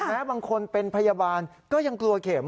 บางคนเป็นพยาบาลก็ยังกลัวเข็ม